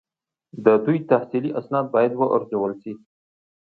د دوی تحصیلي اسناد باید وارزول شي.